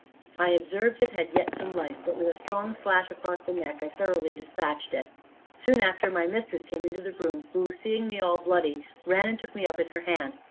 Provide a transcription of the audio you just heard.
I observed it had yet some life, but with a strong slash across the neck, I thoroughly despatched it. Soon after, my mistress came into the room, who seeing me all bloody, ran and took me up in her hand.